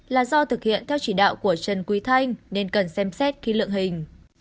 là do thực hiện theo chỉ đạo của trần quý thanh nên cần xem xét ký lượng hình